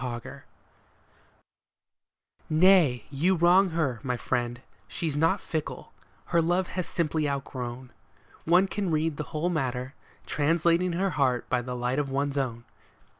OUTGROWN Nay, you wrong her, my friend, she's not fickle ; her love she has simply outgrown ; One can read the whole matter, translating her heart by the light of one's own.